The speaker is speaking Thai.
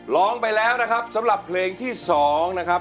ร้องไปแล้วนะครับสำหรับเพลงที่๒นะครับ